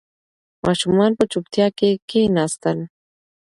ماشومان په چوپتیا کې کښېناستل.